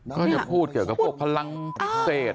ก็จะพูดเกี่ยวกับพวกพลังพิเศษ